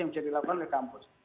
yang bisa dilakukan oleh kampus